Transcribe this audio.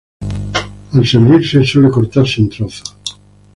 Al servirse suele cortarse en trozos.